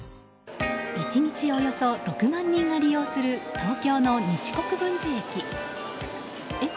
１日およそ６万人が利用する東京の西国分寺駅。